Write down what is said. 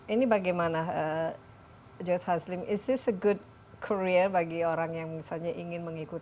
ini bagaimana joe taslim is this a good career bagi orang yang misalnya ingin mengimpan